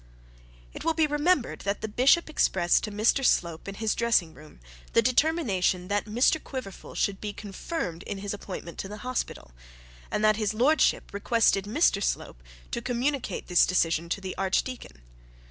It will be remembered that the bishop expressed to Mr Slope in his dressing room, his determination that Mr Quiverful should be confirmed in his appointment to the hospital, and that his lordship requested Mr Slope to communicate this decision to the archdeacon.